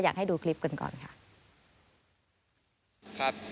อยากให้ดูคลิปกันก่อนค่ะ